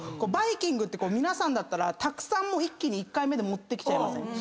バイキングって皆さんだったらたくさん一気に１回目で持ってきちゃいません？